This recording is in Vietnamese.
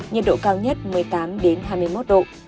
nhiệt độ cao nhất một mươi tám hai mươi một độ